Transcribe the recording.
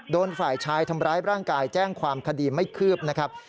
โดนฝ่ายชายทำร้ายร่างกายแจ้งความคดีไม่คืบนะครับ